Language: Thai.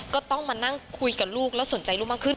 ก็ต้องมานั่งคุยกับลูกแล้วสนใจลูกมากขึ้น